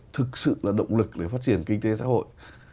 thực sự là động lực để phát triển kinh tế xã hội